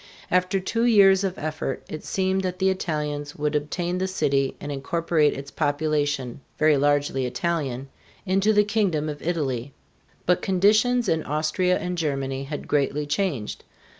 After two years of effort it seemed that the Italians would obtain the city and incorporate its population very largely Italian into the kingdom of Italy. But conditions in Austria and Germany had greatly changed.